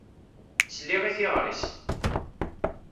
Sliɣ i teɣṛi-s.